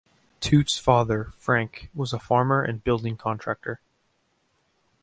Toots' father, Frank, was a farmer and building contractor.